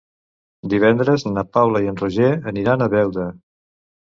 Divendres na Paula i en Roger aniran a Beuda.